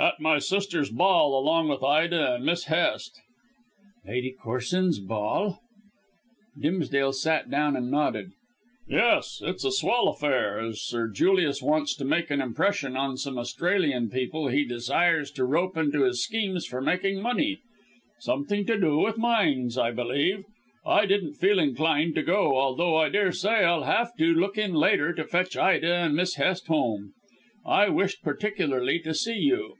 "At my sister's ball along with Ida and Miss Hest." "Lady Corsoon's ball?" Dimsdale sat down and nodded. "Yes. It's a swell affair, as Sir Julius wants to make an impression on some Australian people he desires to rope into his schemes for making money. Something to do with mines, I believe. I didn't feel inclined to go, although I daresay I'll have to look in later to fetch Ida and Miss Hest home. I wished particularly to see you."